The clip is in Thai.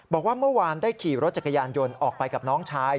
บอกว่าเมื่อวานได้ขี่รถจักรยานยนต์ออกไปกับน้องชาย